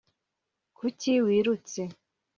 kuki wirutse